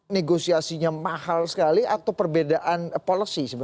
negosiasinya mahal sekali atau perbedaan policy